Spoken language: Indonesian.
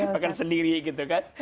makan sendiri gitu kan